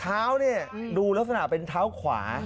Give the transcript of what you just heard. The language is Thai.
เท้าเนี้ยดูรสชาติเป็นเท้าขวา